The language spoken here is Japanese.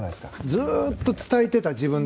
ずっと伝えてた、自分で。